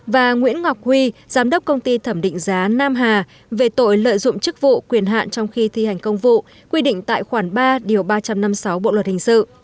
và nguyễn ngọc huy giám đốc công ty thẩm định giá nam hà về tội lợi dụng chức vụ quyền hạn trong khi thi hành công vụ quy định tại khoản ba điều ba trăm năm mươi sáu bộ luật hình sự